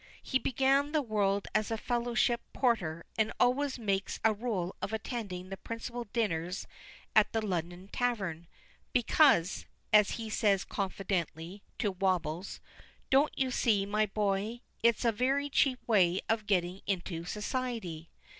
He began the world as a fellowship porter, and always makes a rule of attending the principal dinners at the London Tavern, "because," as he says confidentially, to Wobbles, "don't you see, my boy, it's a very cheap way of getting into society."